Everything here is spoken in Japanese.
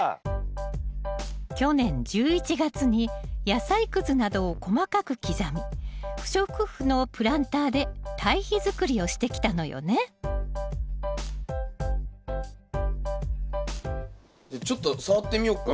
去年１１月に野菜くずなどを細かく刻み不織布のプランターで堆肥づくりをしてきたのよねじゃちょっと触ってみよっか。